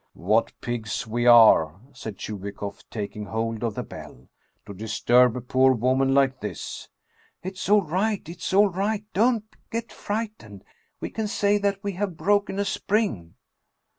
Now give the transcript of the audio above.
"What pigs we are," said Chubikoff, taking hold of the bell, " to disturb a poor woman like this !"" It's all right ! It's all right ! Don't get frightened ! We can say that we have broken a spring."